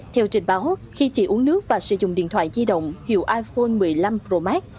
theo trình báo khi chị uống nước và sử dụng điện thoại di động hiệu iphone một mươi năm pro max